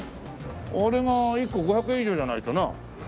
あれが１個５００円以上じゃないとな。